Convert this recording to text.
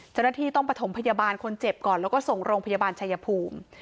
เจ้าหน้าที่ต้องประถมพยาบาลคนเจ็บก่อนแล้วก็ส่งโรงพยาบาลชายภูมิ